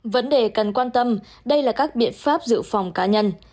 vấn đề cần quan tâm đây là các biện pháp dự phòng cá nhân